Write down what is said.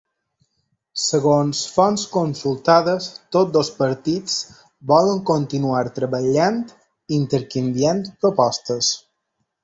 Segons fonts consultades, tots dos partits volen continuar treballant i intercanviant propostes.